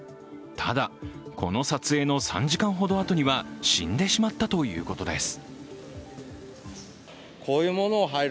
ただこの撮影の３時間ほどあとには死んでしまったということです。